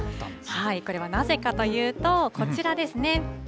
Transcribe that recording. これはなぜかというと、こちらですね。